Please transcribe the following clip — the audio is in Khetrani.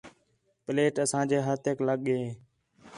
پلیٹ اساں جے ہتھیک لڳ ہے